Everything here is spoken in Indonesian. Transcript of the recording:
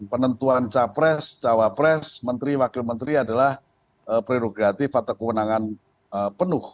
penentuan capres cawapres menteri wakil menteri adalah prerogatif atau kewenangan penuh